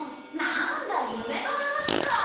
なんだ夢の話か。